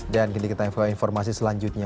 dan kita akan mengetahui informasi selanjutnya